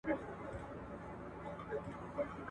آیا ډیپلوم تر مهارت ډېر ارزښت لري؟